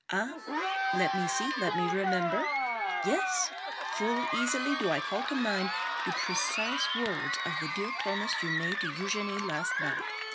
Ah! let me see! Let me remember! Yes; full easily do I call to mind the precise words of the dear promise you made to Eugénie last night.